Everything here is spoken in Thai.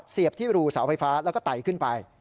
เสียบที่รูเสาไฟฟ้าแล้วก็ไตขึ้นไป